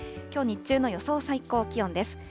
きょう日中の予想最高気温です。